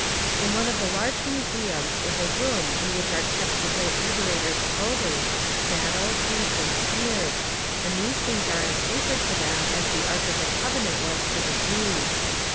In one of the large museums is a room in which are kept the great liberator's clothing, saddle, boots and spears and these things are as sacred to them as the Ark of the Covenant was to the Jews.